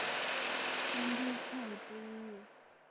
น้ำพริกไข่ปู